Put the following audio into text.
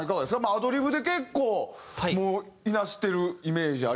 アドリブで結構いなしてるイメージありますけれどももう。